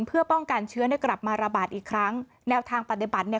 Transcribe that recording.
เพื่อป้องกันเชื้อเนี่ยกลับมาระบาดอีกครั้งแนวทางปฏิบัติเนี่ย